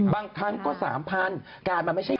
บางครั้งก็๓๐๐การมันไม่ใช่